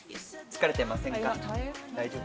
疲れてませんか？